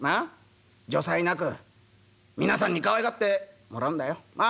如才なく皆さんにかわいがってもらうんだよ。なっ？